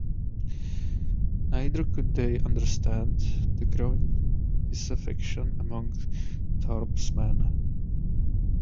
Neither could they understand the growing disaffection among Thorpe's men.